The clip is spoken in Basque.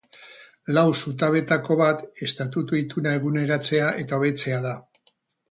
Lau zutabeetako bat estatutu-ituna eguneratzea eta hobetzea da.